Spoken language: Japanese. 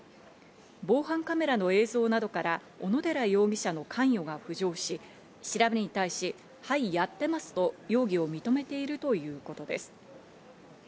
防犯カメラの映像などから小野寺容疑者の関与が浮上し、調べに対し、はい、やってますと容疑を認めているということです。